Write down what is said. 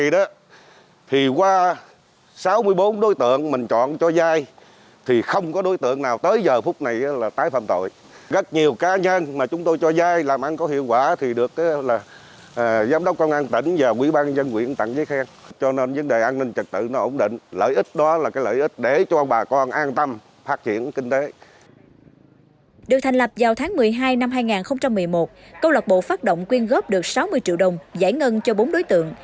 được thành lập vào tháng một mươi hai năm hai nghìn một mươi một câu lạc bộ phát động quyên góp được sáu mươi triệu đồng giải ngân cho bốn đối tượng